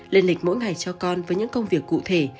lên lịch mỗi ngày cho con với những công việc cụ thể